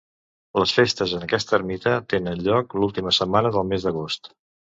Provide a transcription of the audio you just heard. Les festes en aquesta ermita tenen lloc l'última setmana del mes d'agost.